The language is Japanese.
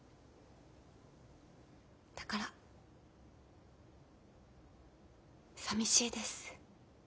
だからさみしいです。